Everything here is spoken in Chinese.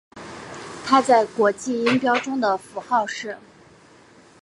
它在国际音标中的符号是。